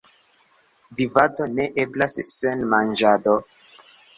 Vivado ne eblas sen manĝado.